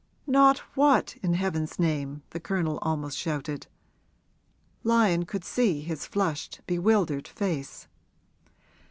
'Not what, in heaven's name?' the Colonel almost shouted. Lyon could see his flushed, bewildered face.